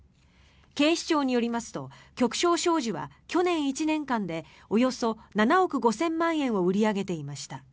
警視庁によりますと旭昇商事は去年１年間でおよそ７億５０００万円を売り上げていました。